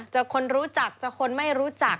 คนรู้จักจะคนไม่รู้จัก